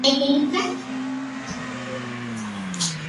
Sin embargo, todas sus peticiones fueron ignoradas por las autoridades.